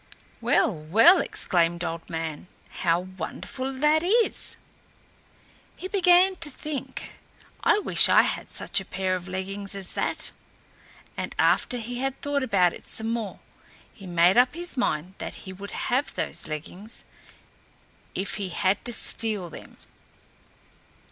"Well, well," exclaimed Old Man, "how wonderful that is!" He began to think, "I wish I had such a pair of leggings as that"; and after he had thought about it some more, he made up his mind that he would have those leggings, if he had to steal them.